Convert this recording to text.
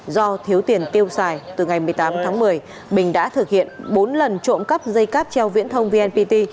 do thiếu tiền tiêu xài từ ngày một mươi tám tháng một mươi bình đã thực hiện bốn lần trộm cắp dây cáp treo viễn thông vnpt